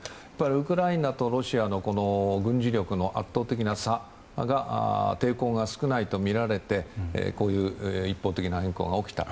ウクライナとロシアの軍事力の圧倒的な差が抵抗が少ないとみられてこういう一方的な蛮行が起きた。